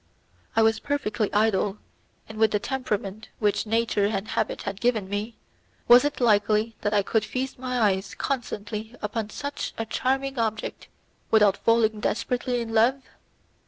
I was perfectly idle, and with the temperament which nature and habit had given me, was it likely that I could feast my eyes constantly upon such a charming object without falling desperately in love?